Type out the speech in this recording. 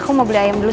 boleh boleh tante